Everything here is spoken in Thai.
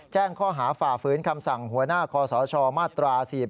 แจ้งข้อหาฝ่าฝืนคำสั่งหัวหน้าคอสชมาตรา๔๔